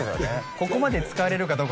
ここまで使われるかどうか